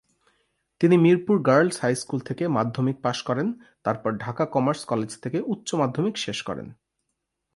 তিনি Mirpur girls high school থেকে মাধ্যমিক পাশ করেন তারপর ঢাকা কমার্স কলেজ থেকে উচ্চ মাধ্যমিক শেষ করেন।